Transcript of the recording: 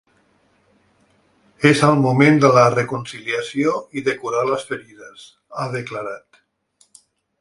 És el moment de la reconciliació i de curar les ferides, ha declarat.